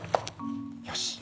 よし。